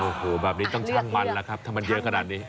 โอ้โหแบบนี้ต้องช่างมันแล้วครับถ้ามันเยอะขนาดนี้